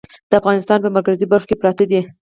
د افغانستان په مرکزي برخو کې پراته دي.